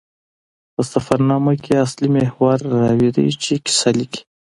په سفرنامه کښي اصلي محور راوي ده، چي کیسه لیکي.